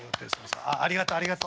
ありがとうありがとう。